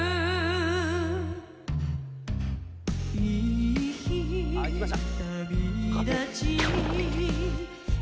いけ！いきました！